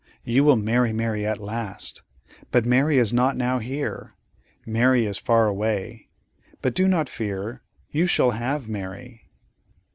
You will marry Mary at last; but Mary is not now here—Mary is far away; but do not fear, for you shall have Mary."